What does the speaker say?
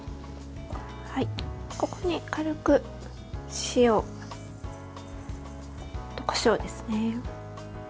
ここに軽く、塩とこしょうですね。